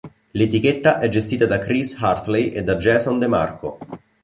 L'etichetta è gestita da Chris Hartley e da Jason DeMarco.